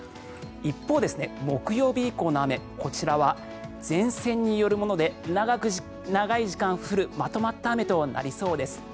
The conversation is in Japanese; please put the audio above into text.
一方、木曜日以降の雨こちらは前線によるもので長い時間降るまとまった雨となりそうです。